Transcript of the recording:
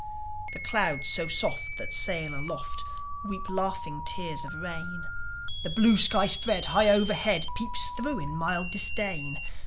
The clouds so soft, that sail aloft, Weep laughing tears of rain; The blue sky spread high overhead Peeps thro' in mild disdain.